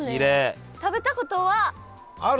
食べたことは？